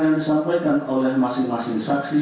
yang disampaikan oleh masing masing saksi